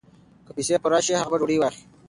که پیسې پوره شي هغه به ډوډۍ واخلي.